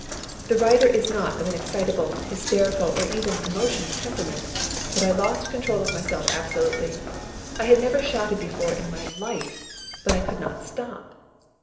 The writer is not of an excitable, hysterical or even emotional temperament, but I lost control of myself absolutely. I had never shouted before in my life, but I could not stop.